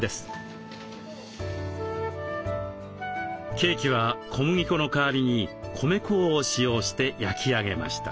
ケーキは小麦粉の代わりに米粉を使用して焼き上げました。